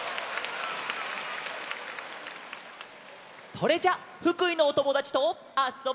それじゃあ福井のおともだちとあそぼう！